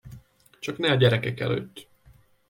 Csak ne a gyerekek előtt!